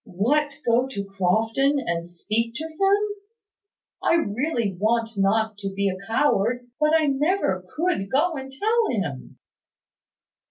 "What go to Crofton, and speak to him? I really want not to be a coward, but I never could go and tell him."